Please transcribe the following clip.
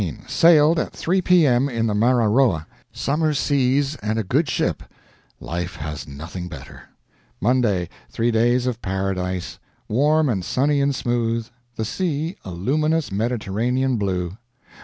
Sailed, at 3 p.m., in the 'Mararoa'. Summer seas and a good ship life has nothing better. Monday. Three days of paradise. Warm and sunny and smooth; the sea a luminous Mediterranean blue